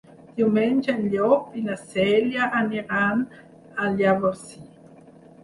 Diumenge en Llop i na Cèlia aniran a Llavorsí.